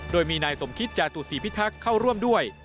โดยมีนายสมคิตจาตุศีพิทักษ์เข้าร่วมด้วย